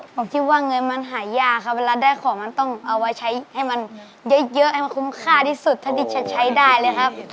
ผมคิดว่าเงินมันหายากครับเวลาได้ของมันต้องเอาไว้ใช้ให้มันเยอะให้มันคุ้มค่าที่สุดเท่าที่จะใช้ได้เลยครับ